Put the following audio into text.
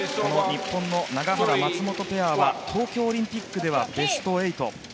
日本の永原、松本ペアは東京オリンピックではベスト８。